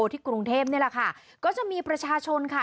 ที่กรุงเทพนี่แหละค่ะก็จะมีประชาชนค่ะ